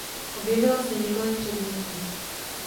Objevila zde několik předmětů.